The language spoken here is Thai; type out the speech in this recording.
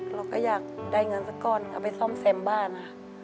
เราก็อยากได้เงินสักก้อนเอาไปซ่อมแซมบ้านค่ะ